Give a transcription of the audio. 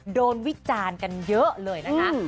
วิจารณ์กันเยอะเลยนะคะ